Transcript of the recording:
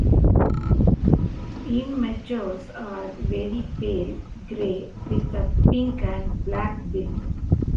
Immatures are very pale grey with a pink and black bill.